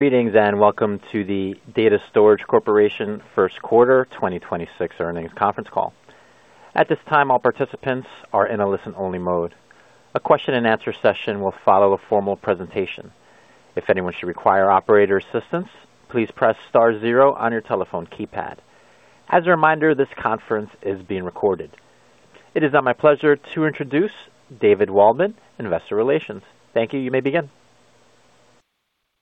Greetings and welcome to the Data Storage Corporation First Quarter 2026 earnings conference call. At this time, all participants are in a listen-only mode. A question-and-answer session will follow a formal presentation. If anyone should require operator assistance, please press star zero on your telephone keypad. As a reminder, this conference is being recorded. It is now my pleasure to introduce David Waldman, Investor Relations. Thank you. You may begin.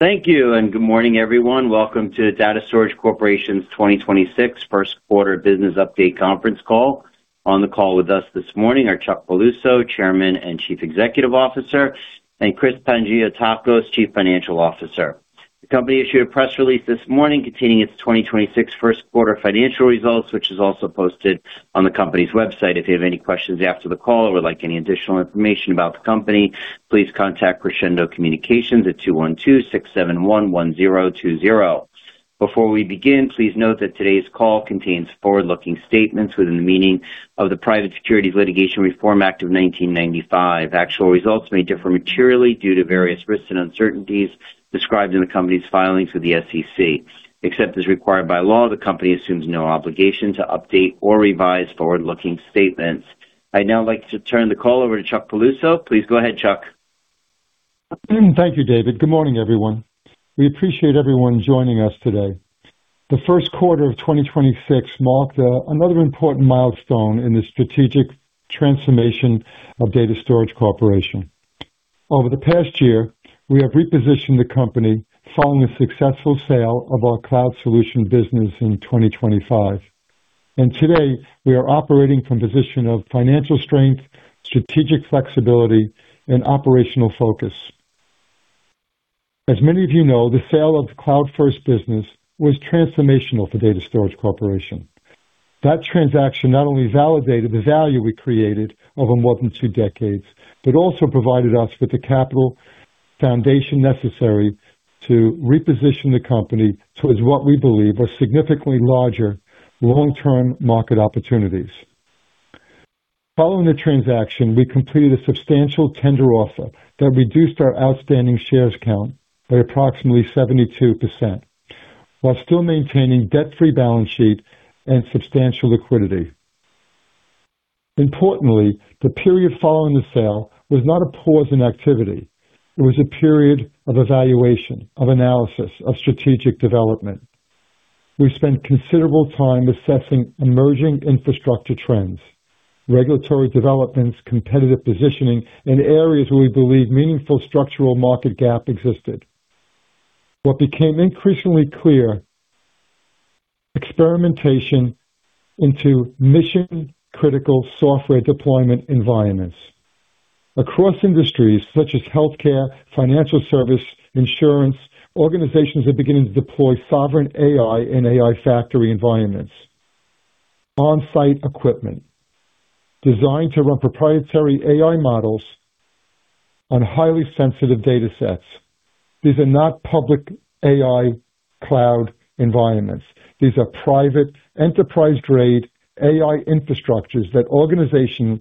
Thank you and good morning, everyone. Welcome to Data Storage Corporation's 2026 first quarter business update conference call. On the call with us this morning are Chuck Piluso, Chairman and Chief Executive Officer, and Chris Panagiotakos, Chief Financial Officer. The company issued a press release this morning containing its 2026 first quarter financial results, which is also posted on the company's website. If you have any questions after the call or would like any additional information about the company, please contact Crescendo Communications, LLC at 212-671-1020. Before we begin, please note that today's call contains forward-looking statements within the meaning of the Private Securities Litigation Reform Act of 1995. Actual results may differ materially due to various risks and uncertainties described in the company's filings with the SEC. Except as required by law, the company assumes no obligation to update or revise forward-looking statements. I'd now like to turn the call over to Chuck Piluso, please go ahead, Chuck. Thank you, David. Good morning everyone? We appreciate everyone joining us today. The first quarter of 2026 marked another important milestone in the strategic transformation of Data Storage Corporation. Over the past year, we have repositioned the company following the successful sale of our Cloud Solution business in 2025. Today, we are operating from a position of financial strength, strategic flexibility, and operational focus. As many of you know, the sale of the CloudFirst business was transformational for Data Storage Corporation. That transaction not only validated the value we created over more than two decades, but also provided us with the capital foundation necessary to reposition the company towards what we believe are significantly larger long-term market opportunities. Following the transaction, we completed a substantial tender offer that reduced our outstanding shares count by approximately 72% while still maintaining debt-free balance sheet and substantial liquidity. Importantly, the period following the sale was not a pause in activity. It was a period of evaluation, of analysis, of strategic development. We spent considerable time assessing emerging infrastructure trends, regulatory developments, competitive positioning in areas where we believe meaningful structural market gap existed. What became increasingly clear, experimentation into mission-critical software deployment environments. Across industries such as healthcare, financial service, insurance, organizations are beginning to deploy sovereign AI in AI factory environments. On-site equipment designed to run proprietary AI models on highly sensitive datasets. These are not public AI cloud environments. These are private enterprise-grade AI infrastructures that organizations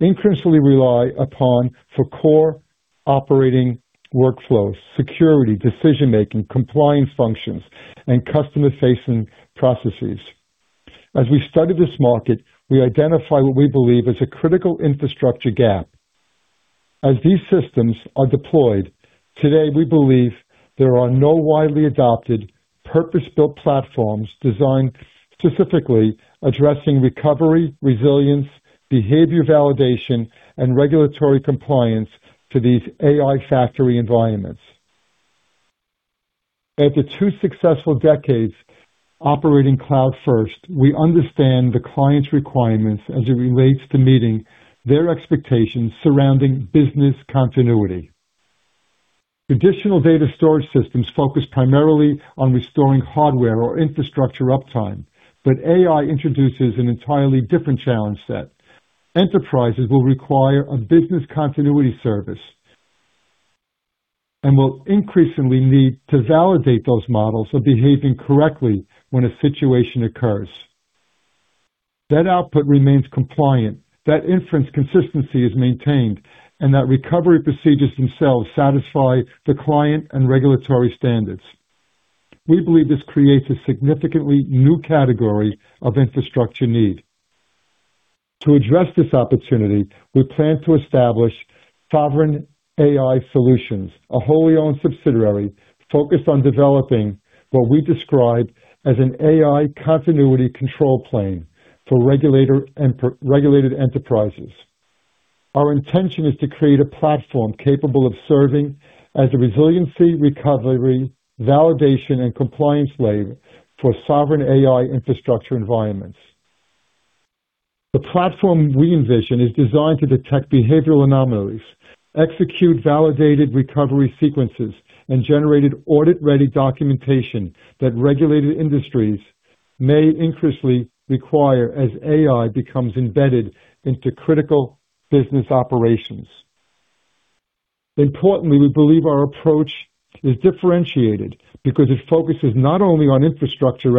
increasingly rely upon for core operating workflows, security, decision-making, compliance functions, and customer-facing processes. As we studied this market, we identified what we believe is a critical infrastructure gap. As these systems are deployed today, we believe there are no widely adopted purpose-built platforms designed specifically addressing recovery, resilience, behavior validation, and regulatory compliance to these AI factory environments. After two successful decades operating CloudFirst, we understand the client's requirements as it relates to meeting their expectations surrounding business continuity. Traditional data storage systems focus primarily on restoring hardware or infrastructure uptime, but AI introduces an entirely different challenge set. Enterprises will require a business continuity service and will increasingly need to validate those models are behaving correctly when a situation occurs. That output remains compliant, that inference consistency is maintained, and that recovery procedures themselves satisfy the client and regulatory standards. We believe this creates a significantly new category of infrastructure need. To address this opportunity, we plan to establish Sovereign AI Solutions, a wholly owned subsidiary focused on developing what we describe as an AI continuity control plane for regulated enterprises. Our intention is to create a platform capable of serving as a resiliency, recovery, validation, and compliance layer for sovereign AI infrastructure environments. The platform we envision is designed to detect behavioral anomalies, execute validated recovery sequences, and generate audit-ready documentation that regulated industries may increasingly require as AI becomes embedded into critical business operations. Importantly, we believe our approach is differentiated because it focuses not only on infrastructure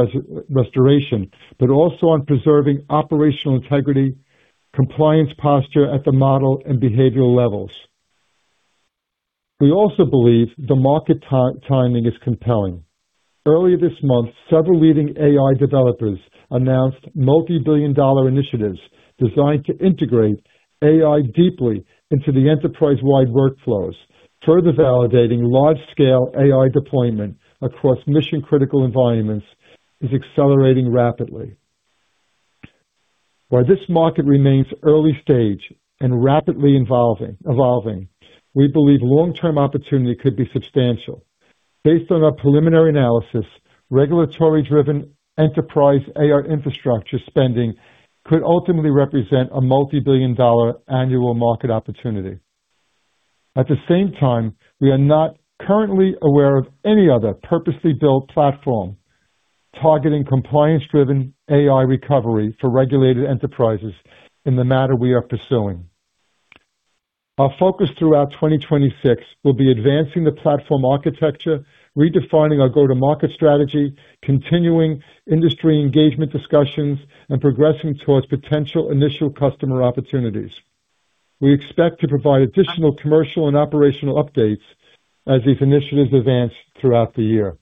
restoration, but also on preserving operational integrity compliance posture at the model and behavioral levels. We also believe the market timing is compelling. Earlier this month, several leading AI developers announced multi-billion dollar initiatives designed to integrate AI deeply into the enterprise-wide workflows, further validating large-scale AI deployment across mission-critical environments is accelerating rapidly. This market remains early stage and rapidly evolving, we believe long-term opportunity could be substantial. Based on our preliminary analysis, regulatory-driven enterprise AI infrastructure spending could ultimately represent a multi-billion dollar annual market opportunity. At the same time, we are not currently aware of any other purposely built platform targeting compliance-driven AI recovery for regulated enterprises in the manner we are pursuing. Our focus throughout 2026 will be advancing the platform architecture, redefining our go-to-market strategy, continuing industry engagement discussions, and progressing towards potential initial customer opportunities. We expect to provide additional commercial and operational updates as these initiatives advance throughout the year.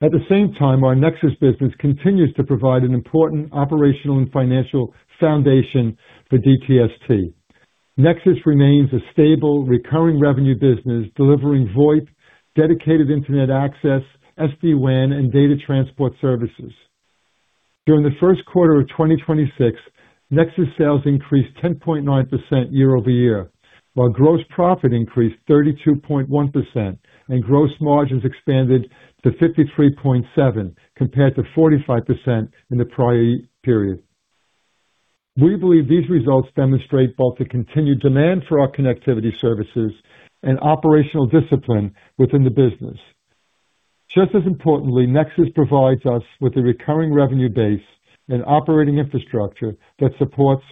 At the same time, our Nexxis business continues to provide an important operational and financial foundation for DTST. Nexxis remains a stable recurring revenue business, delivering VoIP, dedicated internet access, SD-WAN, and data transport services. During the first quarter of 2026, Nexxis sales increased 10.9% year-over-year, while gross profit increased 32.1%, and gross margins expanded to 53.7% compared to 45% in the prior year-period. We believe these results demonstrate both the continued demand for our connectivity services and operational discipline within the business. Just as importantly, Nexxis provides us with a recurring revenue base and operating infrastructure that supports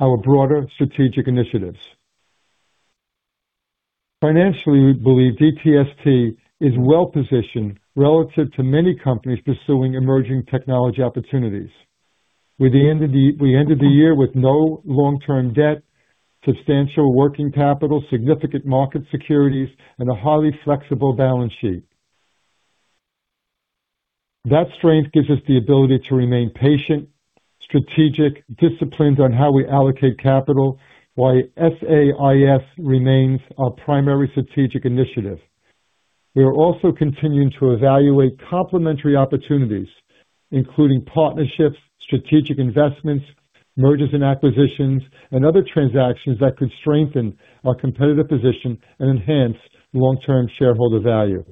our broader strategic initiatives. Financially, we believe DTST is well-positioned relative to many companies pursuing emerging technology opportunities. We ended the year with no long-term debt, substantial working capital, significant market securities, and a highly flexible balance sheet. That strength gives us the ability to remain patient, strategic, disciplined on how we allocate capital while SAIS remains our primary strategic initiative. We are also continuing to evaluate complementary opportunities, including partnerships, strategic investments, mergers and acquisitions, and other transactions that could strengthen our competitive position and enhance long-term shareholder value.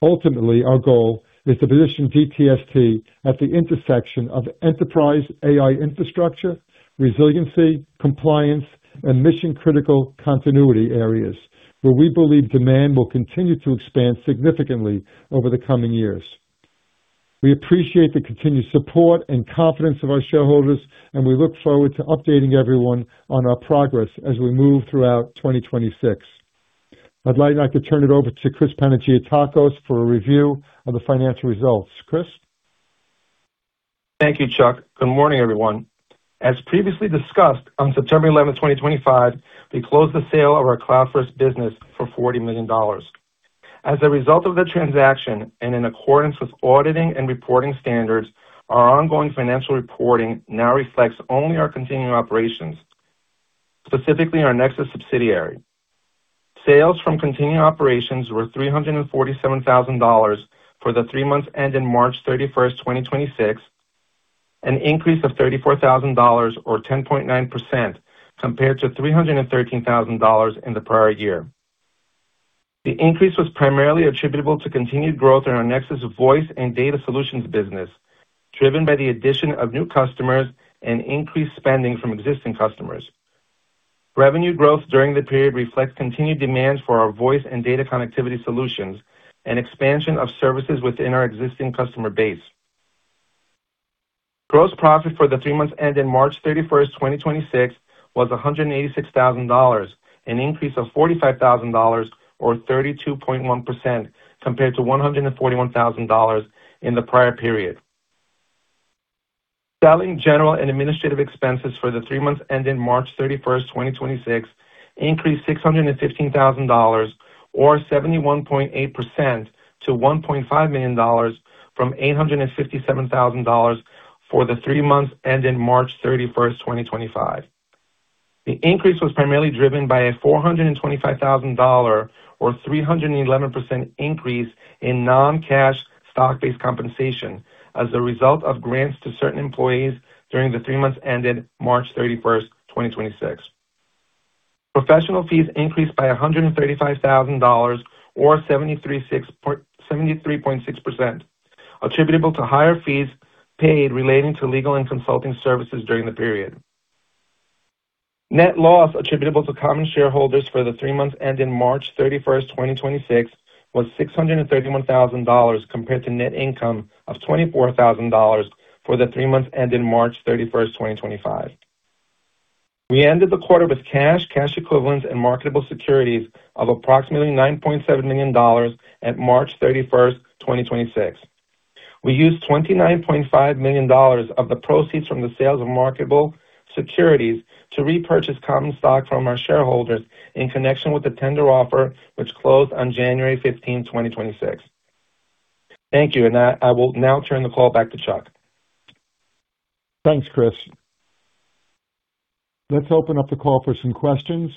Ultimately, our goal is to position DTST at the intersection of enterprise AI infrastructure, resiliency, compliance, and mission-critical continuity areas where we believe demand will continue to expand significantly over the coming years. We appreciate the continued support and confidence of our shareholders. We look forward to updating everyone on our progress as we move throughout 2026. I'd like now to turn it over to Chris Panagiotakos for a review of the financial results. Chris? Thank you, Chuck. Good morning, everyone. As previously discussed, on September 11, 2025, we closed the sale of our CloudFirst business for $40 million. As a result of the transaction and in accordance with auditing and reporting standards, our ongoing financial reporting now reflects only our continuing operations, specifically our Nexxis subsidiary. Sales from continuing operations were $347,000 for the three months ending March 31, 2026, an increase of $34,000 or 10.9% compared to $313,000 in the prior year. The increase was primarily attributable to continued growth in our Nexxis voice and data solutions business, driven by the addition of new customers and increased spending from existing customers. Revenue growth during the period reflects continued demand for our voice and data connectivity solutions and expansion of services within our existing customer base. Gross profit for the three months ending March 31, 2026 was $186,000, an increase of $45,000 or 32.1% compared to $141,000 in the prior period. Selling general and administrative expenses for the three months ending March thirty-first, 2026 increased $615,000 or 71.8% to $1.5 million from $857,000 for the three months ending March 31, 2025. The increase was primarily driven by a $425,000 or 311% increase in non-cash stock-based compensation as a result of grants to certain employees during the three months ended March 31, 2026. Professional fees increased by $135,000 or 73.6% attributable to higher fees paid relating to legal and consulting services during the period. Net loss attributable to common shareholders for the three months ending March 31, 2026 was $631,000 compared to net income of $24,000 for the three months ending March 31, 2025. We ended the quarter with cash equivalents, and marketable securities of approximately $9.7 million at March 31, 2026. We used $29.5 million of the proceeds from the sales of marketable securities to repurchase common stock from our shareholders in connection with the tender offer, which closed on January 15, 2026. Thank you. I will now turn the call back to Chuck. Thanks, Chris. Let's open up the call for some questions.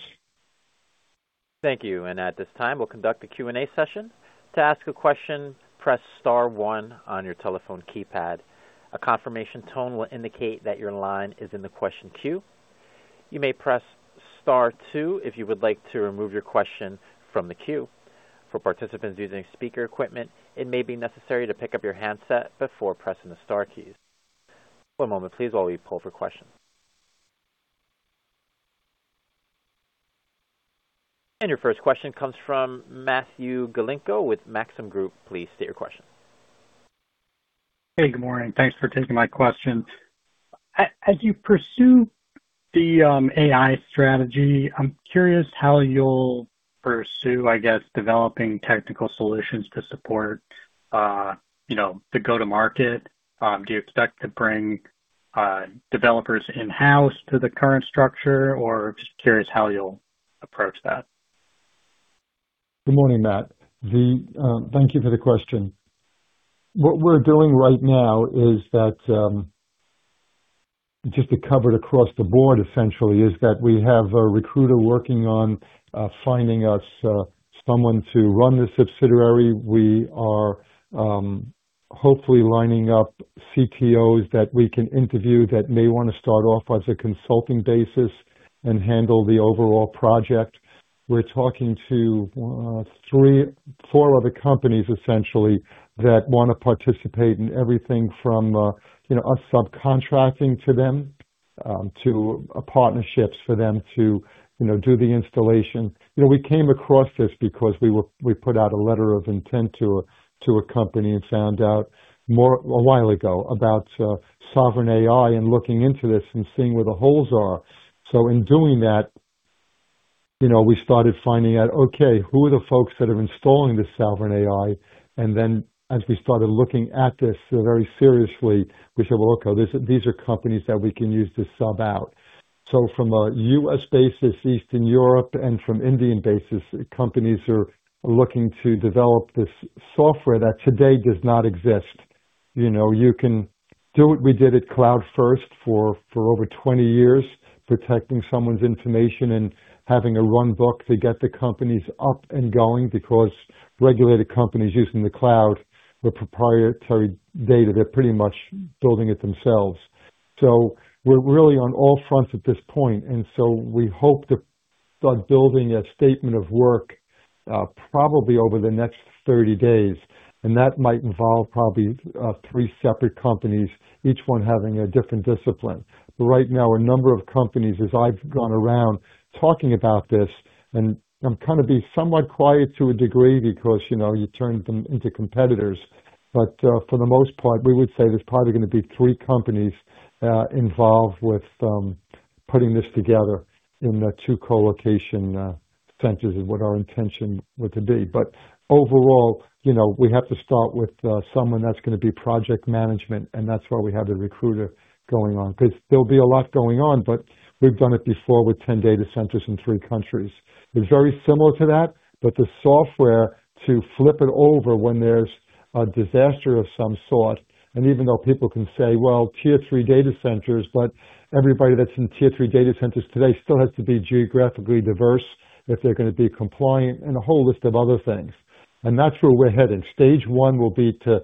Thank you. At this time, we'll conduct a Q&A session. To ask a question, press star one on your telephone keypad. A confirmation tone will indicate that your line is in the question queue. You may press star two if you would like to remove your question from the queue. For participants using speaker equipment, it may be necessary to pick up your handset before pressing the star keys. One moment, please, while we pull for questions. Your first question comes from Matthew Galinko with Maxim Group, please state your question. Hey, good morning? Thanks for taking my question. As you pursue the AI strategy, I'm curious how you'll pursue, I guess, developing technical solutions to support the go-to-market. Do you expect to bring developers in-house to the current structure? Just curious how you'll approach that. Good morning, Matt? Thank you for the question. What we're doing right now is that, just to cover it across the board, essentially, is that we have a recruiter working on finding us someone to run the subsidiary. We are hopefully lining up Chief Technology Officers that we can interview that may wanna start off as a consulting basis and handle the overall project. We're talking to three, four other companies, essentially, that wanna participate in everything from, you know, us subcontracting to them, to partnerships for them to, you know, do the installation. You know, we came across this because we put out a Letter of Intent to a company and found out a while ago about Sovereign AI and looking into this and seeing where the holes are. In doing that, you know, we started finding out, okay, who are the folks that are installing this Sovereign AI? As we started looking at this very seriously, we said, well, okay, these are companies that we can use to sub out. From a U.S. basis, Eastern Europe, and from Indian basis, companies are looking to develop this software that today does not exist. You know, you can do what we did at CloudFirst for over 20 years, protecting someone's information and having a runbook to get the companies up and going because regulated companies using the cloud with proprietary data, they're pretty much building it themselves. We're really on all fronts at this point, and so we hope to start building a statement of work, probably over the next 30 days, and that might involve probably three separate companies, each one having a different discipline. Right now, a number of companies, as I've gone around talking about this, and I'm kind of being somewhat quiet to a degree because, you know, you turn them into competitors. For the most part, we would say there's probably going to be three companies involved with putting this together in the two co-location centers is what our intention were to be. Overall, you know, we have to start with someone that's gonna be project management, and that's why we have the recruiter going on, because there'll be a lot going on, but we've done it before with 10 data centers in three countries. It's very similar to that, but the software to flip it over when there's a disaster of some sort. Even though people can say, well, Tier 3 data centers, but everybody that's in Tier 3 data centers today still has to be geographically diverse if they're gonna be compliant and a whole list of other things. That's where we're headed. Stage 1 will be to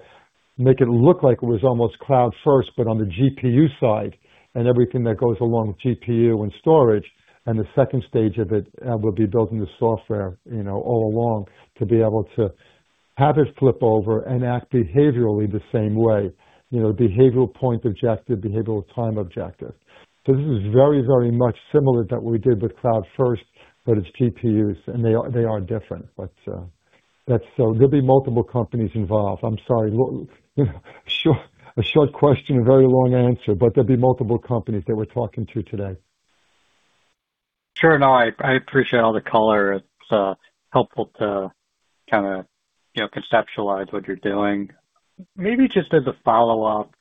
make it look like it was almost CloudFirst, but on the GPU side and everything that goes along with GPU and storage. The stage 2 of it will be building the software, you know, all along to be able to have it flip over and act behaviorally the same way. You know, behavioral point objective, behavioral time objective. This is very much similar to what we did with CloudFirst, but it's GPUs, and they are different. There'll be multiple companies involved. I'm sorry. You know, a short question, a very long answer, there'll be multiple companies that we're talking to today. Sure. No, I appreciate all the color. It's helpful to kinda, you know, conceptualize what you're doing. Maybe just as a follow-up.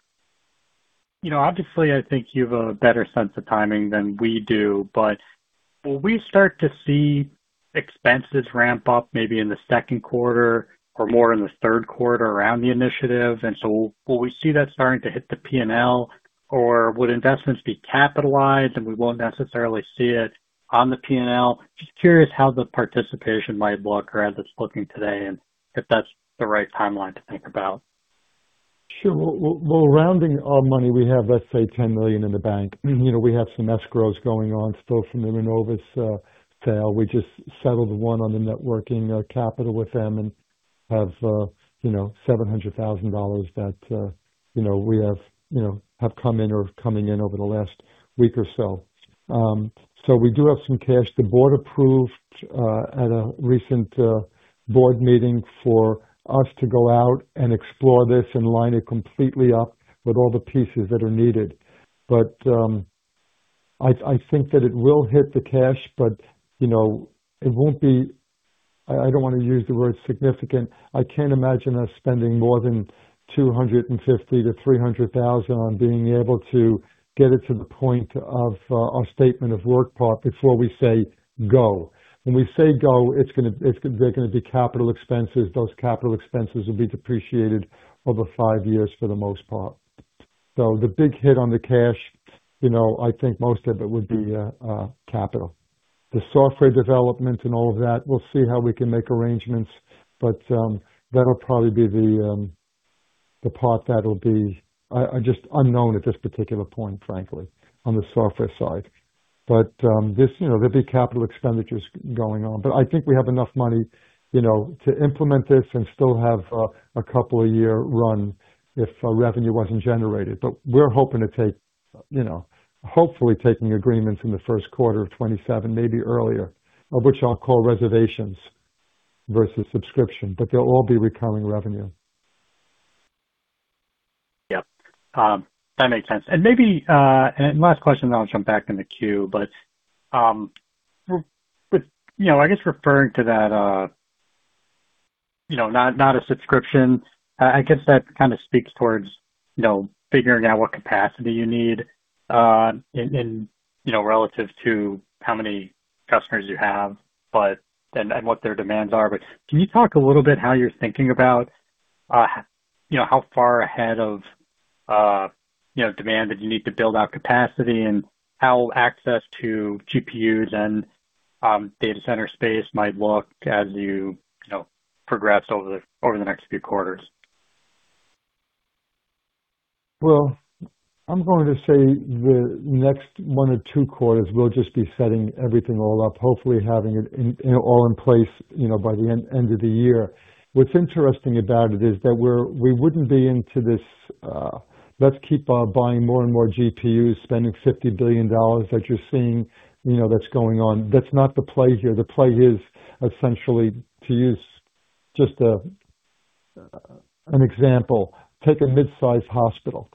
You know, obviously, I think you've a better sense of timing than we do, but will we start to see expenses ramp up maybe in the second quarter or more in the third quarter around the initiative? Will we see that starting to hit the P&L, or would investments be capitalized, and we won't necessarily see it on the P&L? Just curious how the participation might look or as it's looking today and if that's the right timeline to think about. Sure. Well, rounding our money, we have, let's say, $10 million in the bank. You know, we have some escrows going on still from the Innovis sale. We just settled one on the networking capital with them and have, you know, $700,000 that, you know, we have come in or coming in over the last week or so. We do have some cash. The board approved at a recent board meeting for us to go out and explore this and line it completely up with all the pieces that are needed. I think that it will hit the cash, but, you know, it won't be I don't wanna use the word significant. I can't imagine us spending more than $250,000-$300,000 on being able to get it to the point of our statement of work part before we say go. When we say go, it's gonna, they're gonna be capital expenses. Those capital expenses will be depreciated over five years for the most part. The big hit on the cash, you know, I think most of it would be capital. The software development and all of that, we'll see how we can make arrangements, but that'll probably be the part that'll be just unknown at this particular point, frankly, on the software side. This, you know, there'll be capital expenditures going on. I think we have enough money, you know, to implement this and still have a couple of year run if revenue wasn't generated. We're hoping to take, you know, hopefully taking agreements in the first quarter of 2027, maybe earlier, of which I'll call reservations versus subscription, but they'll all be recurring revenue. Yep. That makes sense. Last question, then I'll jump back in the queue. With, you know, I guess referring to that, you know, not a subscription, I guess that kind of speaks towards, you know, figuring out what capacity you need, in, you know, relative to how many customers you have, and what their demands are. Can you talk a little bit how you're thinking about, you know, how far ahead of, you know, demand that you need to build out capacity and how access to GPUs and data center space might look as you know, progress over the next few quarters? I'm going to say the next one or two quarters, we'll just be setting everything all up, hopefully having it in all in place, you know, by the end of the year. What's interesting about it is that we wouldn't be into this, let's keep buying more and more GPUs, spending $50 billion that you're seeing, you know, that's going on. That's not the play here. The play here is essentially to use just an example, take a mid-sized hospital.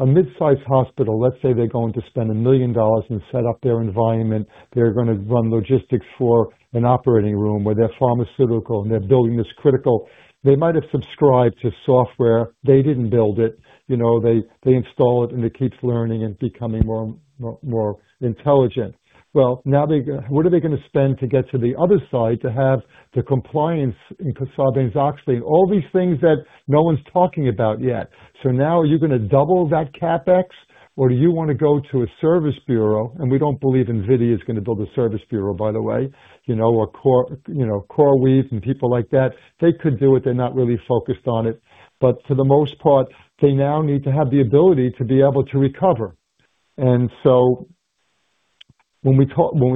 A mid-sized hospital, let's say they're going to spend a million and set up their environment. They're gonna run logistics for an operating room where their pharmaceutical and their building is critical. They might have subscribed to software. They didn't build it. You know, they install it, and it keeps learning and becoming more intelligent. Now they what are they gonna spend to get to the other side to have the compliance in Sarbanes-Oxley and all these things that no one's talking about yet. Now are you gonna double that CapEx, or do you wanna go to a service bureau? We don't believe NVIDIA is gonna build a service bureau, by the way. You know, you know, CoreWeave and people like that, they could do it. They're not really focused on it. For the most part, they now need to have the ability to be able to recover. When we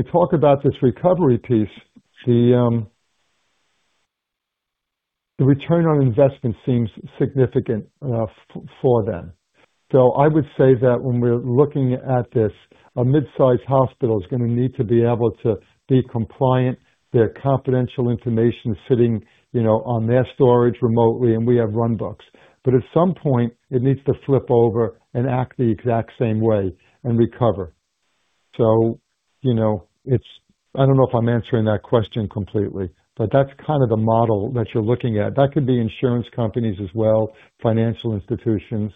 talk about this recovery piece, the return on investment seems significant for them. I would say that when we're looking at this, a mid-sized hospital is gonna need to be able to be compliant. Their confidential information is sitting, you know, on their storage remotely, and we have run books. At some point, it needs to flip over and act the exact same way and recover. You know, it's I don't know if I'm answering that question completely, but that's kind of the model that you're looking at. That could be insurance companies as well, financial institutions,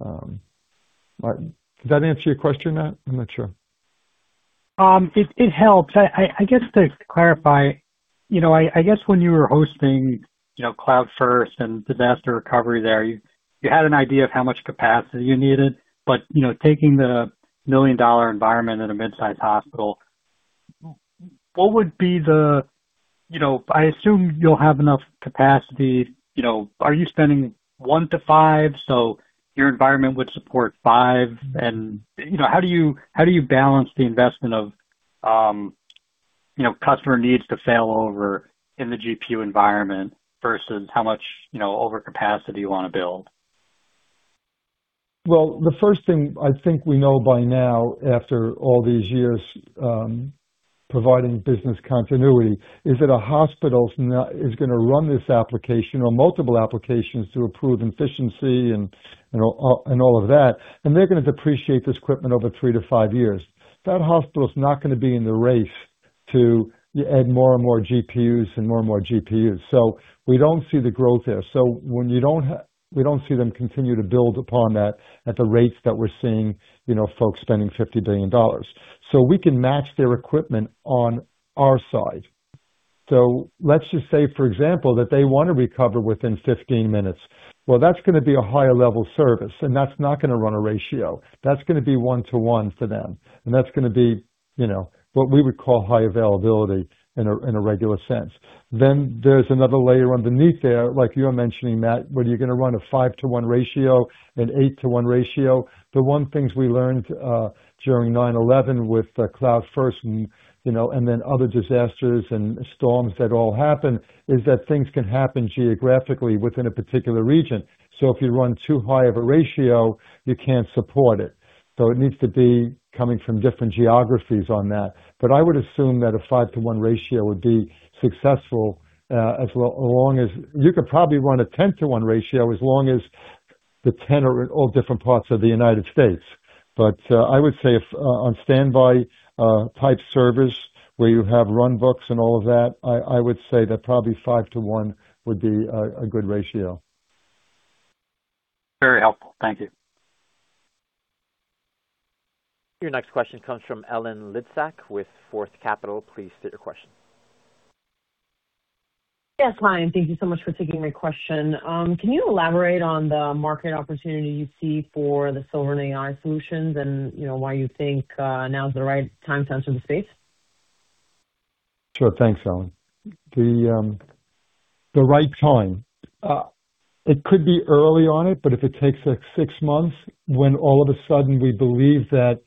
Matthew. Does that answer your question, Matt? I'm not sure. It helps. I guess to clarify, you know, I guess when you were hosting, you know, CloudFirst and disaster recovery there, you had an idea of how much capacity you needed, but, you know, taking the million environment at a mid-sized hospital, what would be the, you know, I assume you'll have enough capacity, you know, are you spending one to five, so your environment would support five? You know, how do you, how do you balance the investment of, you know, customer needs to fail over in the GPU environment versus how much, you know, overcapacity you wanna build? The first thing I think we know by now after all these years, providing business continuity is that a hospital is gonna run this application or multiple applications to improve efficiency and, you know, and all of that, and they're gonna depreciate this equipment over three to five years. That hospital is not gonna be in the race to add more and more GPUs and more and more GPUs. We don't see the growth there. When you don't we don't see them continue to build upon that at the rates that we're seeing, you know, folks spending $50 billion. We can match their equipment on our side. Let's just say, for example, that they wanna recover within 15-minutes. That's gonna be a higher level service, and that's not gonna run a ratio. That's gonna be 1:1 for them, and that's gonna be, you know, what we would call high availability in a regular sense. There's another layer underneath there, like you're mentioning, Matthew, where you're gonna run a 5:1 ratio, and 8:1 ratio. The one things we learned during 9/11 with CloudFirst and, you know, and then other disasters and storms that all happen, is that things can happen geographically within a particular region. If you run too high of a ratio, you can't support it. It needs to be coming from different geographies on that. I would assume that a 5:1 ratio would be successful, as long as you could probably run a 10:1 ratio as long as the 10 are in all different parts of the U.S. I would say if on standby type service where you have run books and all of that, I would say that probably 5:1 would be a good ratio. Very helpful. Thank you. Your next question comes from Ellen Lidsack with Fourth Capital, please state your question. Yes, fine. Thank you so much for taking my question. Can you elaborate on the market opportunity you see for the Sovereign AI Solutions and, you know, why you think now is the right time to enter the space? Sure. Thanks, Ellen. The right time. It could be early on it, but if it takes us six months, when all of a sudden we believe that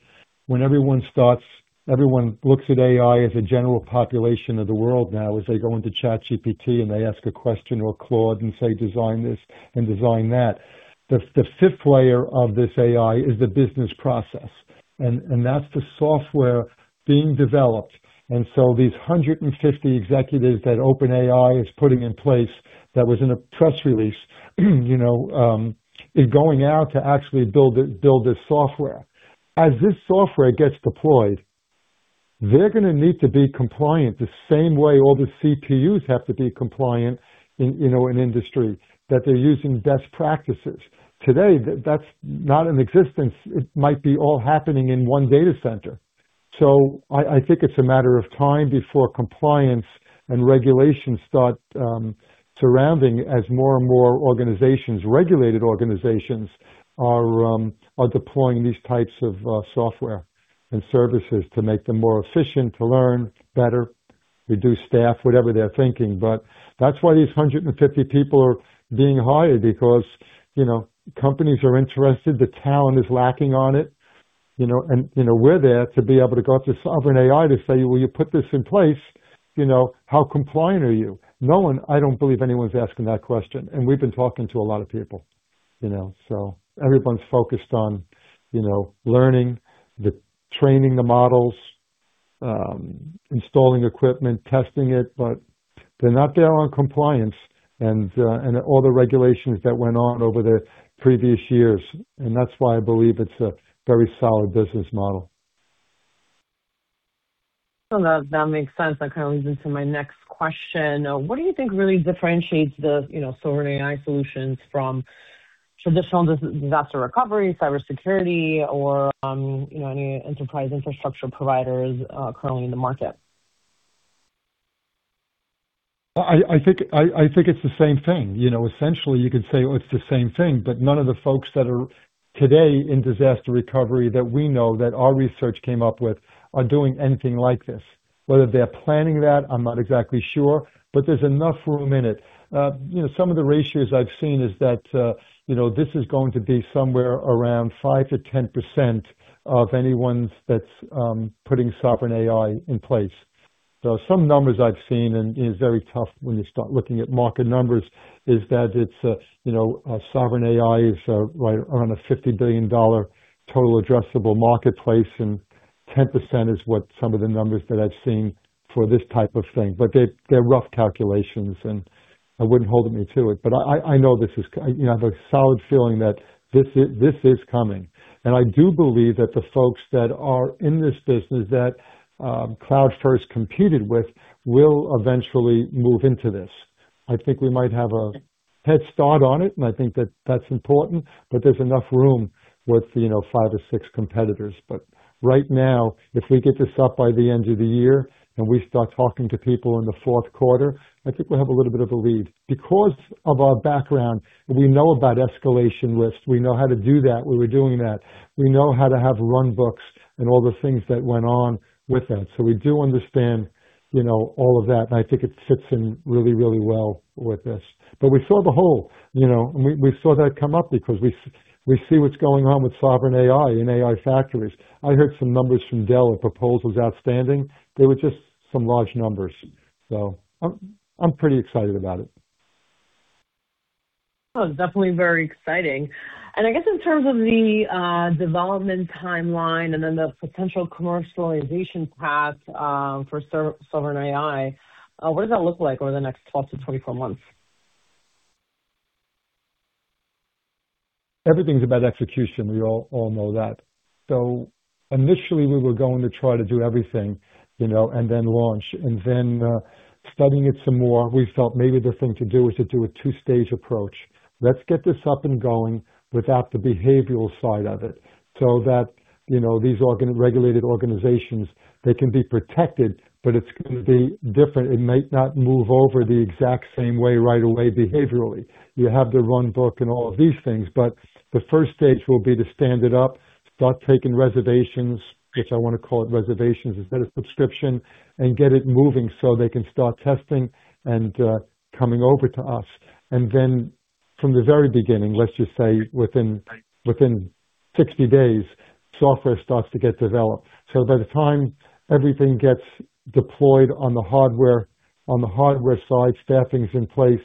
when everyone starts, everyone looks at AI as a general population of the world now, as they go into ChatGPT and they ask a question or Claude and say, Design this and design that. The fifth layer of this AI is the business process, and that's the software being developed. These 150 executives that OpenAI is putting in place that was in a press release, you know, is going out to actually build this software. As this software gets deployed, they're gonna need to be compliant the same way all the CPUs have to be compliant in, you know, in industry, that they're using best practices. Today, that's not in existence. It might be all happening in one data center. I think it's a matter of time before compliance and regulations start surrounding as more and more organizations, regulated organizations are deploying these types of software and services to make them more efficient, to learn better, reduce staff, whatever they're thinking. That's why these 150 people are being hired because, you know, companies are interested. The talent is lacking on it, you know. You know, we're there to be able to go up to sovereign AI to say, well, you put this in place, you know, how compliant are you? No one, I don't believe anyone's asking that question, and we've been talking to a lot of people, you know. Everyone's focused on, you know, learning, the training the models, installing equipment, testing it, but they're not there on compliance and all the regulations that went on over the previous years. That's why I believe it's a very solid business model. That, that makes sense. That kind of leads into my next question. What do you think really differentiates the, you know, Sovereign AI Solutions from traditional disaster recovery, cybersecurity, or, you know, any enterprise infrastructure providers currently in the market? I think it's the same thing. You know, essentially, you could say it's the same thing. None of the folks that are today in disaster recovery that we know, that our research came up with, are doing anything like this. Whether they're planning that, I'm not exactly sure. There's enough room in it. You know, some of the ratios I've seen is that, you know, this is going to be somewhere around 5%-10% of anyone that's putting Sovereign AI in place. Some numbers I've seen, and it is very tough when you start looking at market numbers, is that it's, you know, Sovereign AI is right around a $50 billion total addressable marketplace, and 10% is what some of the numbers that I've seen for this type of thing, but they're rough calculations, and I wouldn't hold me to it. I know this is, you know, I have a solid feeling that this is coming. I do believe that the folks that are in this business that CloudFirst competed with will eventually move into this. I think we might have a head start on it, and I think that that's important, but there's enough room with, you know, five or six competitors. Right now, if we get this up by the end of the year and we start talking to people in the fourth quarter, I think we'll have a little bit of a lead, because of our background, we know about escalation lists. We know how to do that. We were doing that. We know how to have run books and all the things that went on with that. We do understand, you know, all of that, and I think it fits in really, really well with this. We saw the hole, you know, and we saw that come up because we see what's going on with Sovereign AI and AI factories. I heard some numbers from Dell of proposals outstanding. They were just some large numbers. I'm pretty excited about it. Oh, definitely very exciting. I guess in terms of the development timeline and then the potential commercialization path for Sovereign AI, what does that look like over the next 12-24 months? Everything's about execution. We all know that. Initially, we were going to try to do everything, you know, and then launch. Studying it some more, we felt maybe the thing to do is to do a two-stage approach. Let's get this up and going without the behavioral side of it so that, you know, these regulated organizations, they can be protected, but it's gonna be different. It might not move over the exact same way right away behaviorally. You have the runbook and all of these things, the firstt stage will be to stand it up, start taking reservations, which I wanna call it reservations instead of subscription, and get it moving so they can start testing and coming over to us. From the very beginning, let's just say within 60 days, software starts to get developed. By the time everything gets deployed on the hardware, on the hardware side, staffing's in place,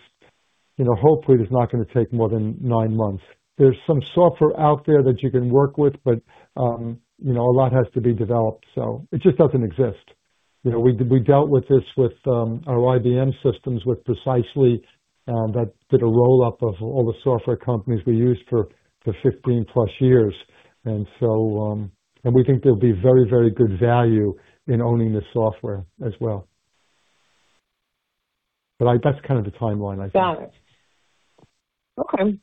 you know, hopefully, it's not gonna take more than nine months. There's some software out there that you can work with, but, you know, a lot has to be developed, so it just doesn't exist. You know, we dealt with this with our IBM systems with Precisely that did a roll-up of all the software companies we used for 15+ years. And we think there'll be very, very good value in owning the software as well. That's kind of the timeline, I think. Got it. Okay.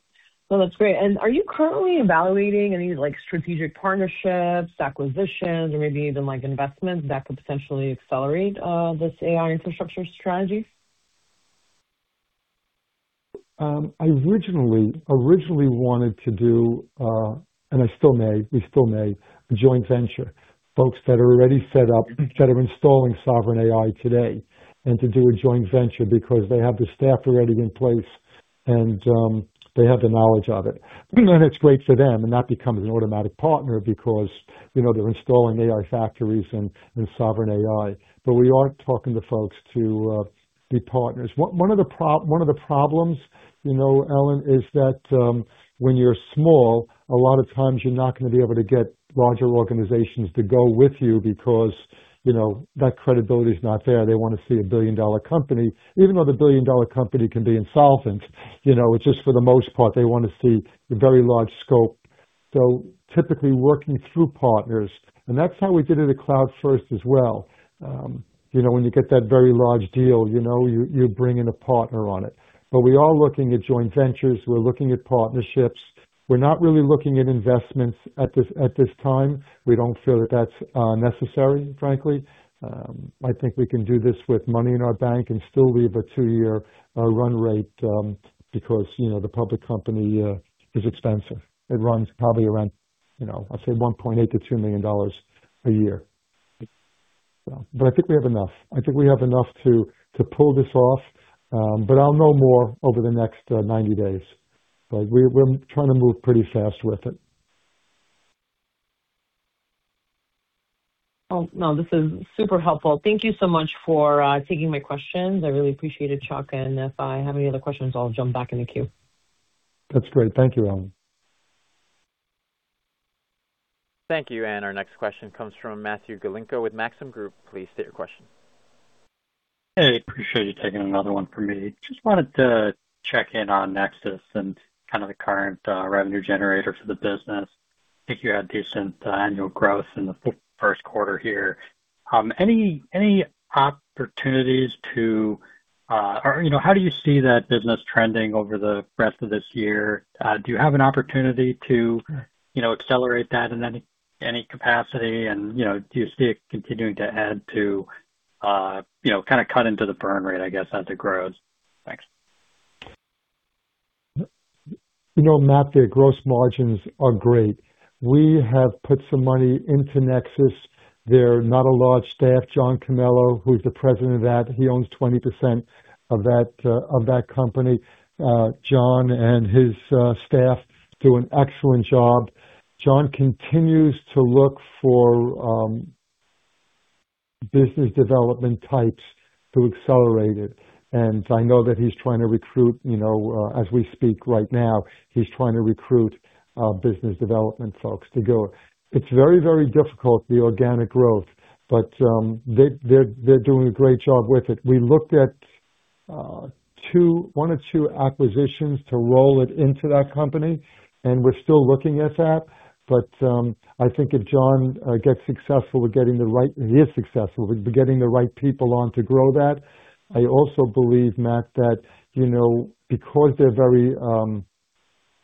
Well, that's great. Are you currently evaluating any, like, strategic partnerships, acquisitions, or maybe even, like, investments that could potentially accelerate this AI infrastructure strategy? I originally wanted to do, and I still may, a joint venture. Folks that are already set up, that are installing Sovereign AI today, and to do a joint venture because they have the staff already in place and they have the knowledge of it. It's great for them, and that becomes an automatic partner because, you know, they're installing AI factories and Sovereign AI. We are talking to folks to be partners. One of the problems, you know, Ellen, is that when you're small, a lot of times you're not gonna be able to get larger organizations to go with you because, you know, that credibility is not there. They want to see a billion-dollar company, even though the billion-dollar company can be insolvent. You know, it's just for the most part, they want to see a very large scope. Typically working through partners, and that's how we did it at CloudFirst as well. You know, when you get that very large deal, you know, you bring in a partner on it. We are looking at joint ventures. We're looking at partnerships. We're not really looking at investments at this time. We don't feel that that's necessary, frankly. I think we can do this with money in our bank and still leave a two-year run rate, because, you know, the public company is expensive. It runs probably around, you know, I'd say $1.8 million-$2 million per year. I think we have enough. I think we have enough to pull this off, but I'll know more over the next 90 days. We're trying to move pretty fast with it. Oh, no, this is super helpful. Thank you so much for taking my questions. I really appreciate it, Chuck. If I have any other questions, I'll jump back in the queue. That's great. Thank you, Ellen. Thank you. Our next question comes from Matthew Galinko with Maxim Group, please state your question. Hey, appreciate you taking another one for me. Just wanted to check in on Nexxis and kind of the current revenue generator for the business. I think you had decent annual growth in the first quarter here. Any opportunities to, or, you know, how do you see that business trending over the rest of this year? Do you have an opportunity to, you know, accelerate that in any capacity? You know, do you see it continuing to add to, you know, kinda cut into the burn rate, I guess, as it grows? Thanks. You know, Matt, their gross margins are great. We have put some money into Nexxis. They're not a large staff. John Canelo, who's the president of that, he owns 20% of that company. John and his staff do an excellent job. John continues to look for business development types to accelerate it, and I know that he's trying to recruit, you know, as we speak right now, he's trying to recruit business development folks to go. It's very, very difficult, the organic growth, but they're doing a great job with it. We looked at one or two acquisitions to roll it into that company, and we're still looking at that. I think if John is successful with getting the right people on to grow that. I also believe, Matt, that, you know, because they're very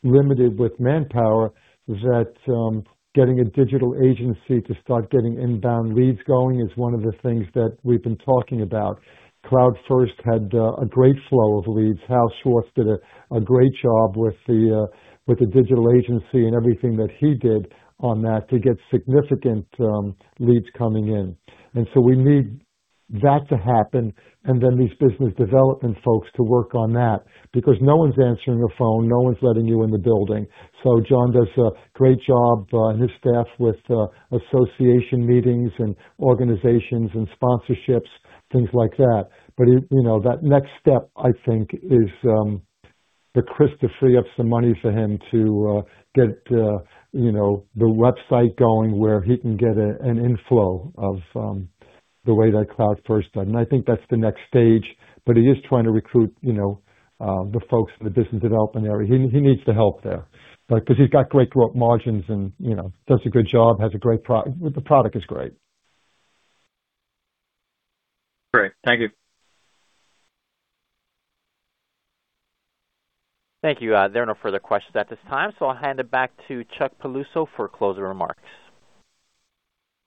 limited with manpower, that getting a digital agency to start getting inbound leads going is one of the things that we've been talking about. CloudFirst had a great flow of leads. Harold Schwartz did a great job with the digital agency and everything that he did on that to get significant leads coming in. We need that to happen and then these business development folks to work on that because no one's answering the phone, no one's letting you in the building. John does a great job and his staff with association meetings and organizations and sponsorships, things like that. He, you know, that next step, I think is, for Chris to free up some money for him to get, you know, the website going where he can get an inflow of the way that CloudFirst done. I think that's the next stage, but he is trying to recruit, you know, the folks in the business development area. He needs the help there. Because he's got great growth margins and, you know, does a good job, has a great the product is great. Great. Thank you. Thank you. There are no further questions at this time, so I'll hand it back to Chuck Piluso for closing remarks.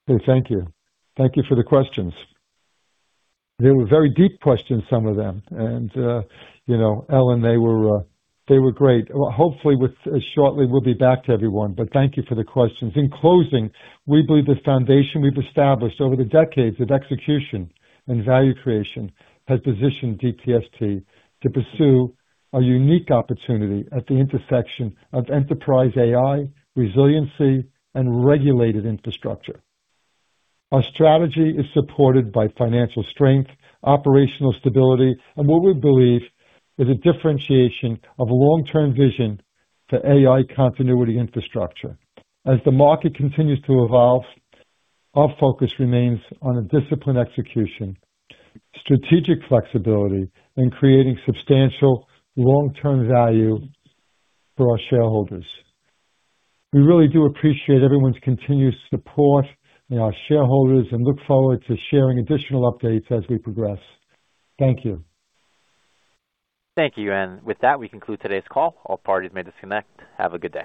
Okay. Thank you. Thank you for the questions. They were very deep questions, some of them. You know, Ellen, they were great. Hopefully, with shortly, we'll be back to everyone. Thank you for the questions. In closing, we believe the foundation we've established over the decades of execution and value creation has positioned DTST to pursue a unique opportunity at the intersection of enterprise AI, resiliency, and regulated infrastructure. Our strategy is supported by financial strength, operational stability, and what we believe is a differentiation of a long-term vision for AI continuity infrastructure. As the market continues to evolve, our focus remains on a disciplined execution, strategic flexibility, and creating substantial long-term value for our shareholders. We really do appreciate everyone's continued support and our shareholders and look forward to sharing additional updates as we progress. Thank you. Thank you. With that, we conclude today's call. All parties may disconnect. Have a good day.